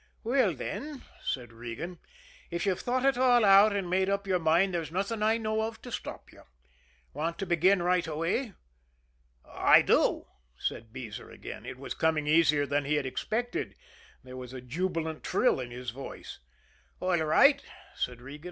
"Well, then," said Regan, "if you've thought it all out and made up your mind, there's nothing I know of to stop you. Want to begin right away?" "I do," said Beezer again. It was coming easier than he had expected there was a jubilant trill in his voice. "All right," said Regan.